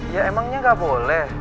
ya emangnya gak boleh